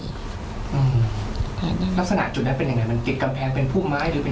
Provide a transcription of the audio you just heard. ลักษณะจุดนั้นเป็นยังไงมันกิดกำแพงเป็นผู้ไม้หรือเป็นยังไง